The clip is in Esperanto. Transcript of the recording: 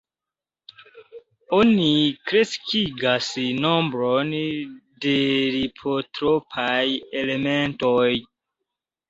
Oni kreskigas nombron de lipotropaj elementoj.